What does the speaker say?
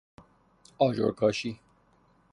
آجر کاشی